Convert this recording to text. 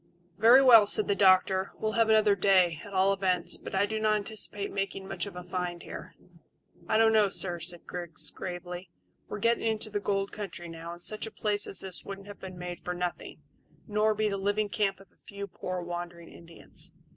"Very well," said the doctor; "we'll have another day, at all events; but I do not anticipate making much of a find here." "I don't know, sir," said Griggs gravely. "We're getting into the gold country now, and such a place as this wouldn't have been made for nothing, nor be the living camp of a few poor wandering Indians.